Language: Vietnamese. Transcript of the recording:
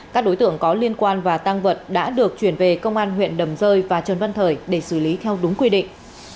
các đối tượng có liên quan và tăng vật đã được chuyển về công an huyện đầm rơi và trần văn thời để xử lý theo đúng quy định